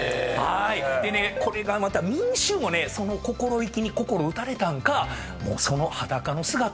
でねこれがまた民衆もねその心意気に心打たれたんかもうその。